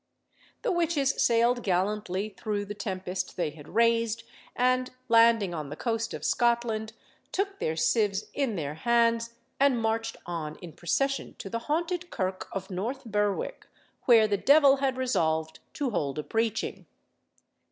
The witches sailed gallantly through the tempest they had raised, and landing on the coast of Scotland, took their sieves in their hands and marched on in procession to the haunted kirk of North Berwick, where the devil had resolved to hold a preaching.